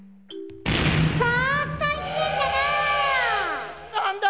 ボーっと生きてんじゃないわよ！